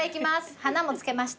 花も付けました。